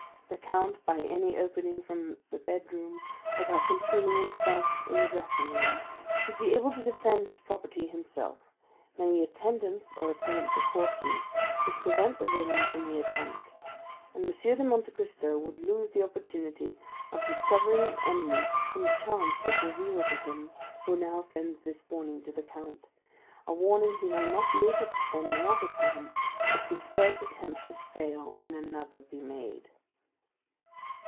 The count, by any opening from the bedroom, or by concealing himself in the dressing room, would be able to defend his property himself. Many attendants or apparent precautions would prevent the villain from the attempt, and M. de Monte Cristo would lose the opportunity of discovering an enemy whom chance has revealed to him who now sends this warning to the count,—a warning he might not be able to send another time, if this first attempt should fail and another be made.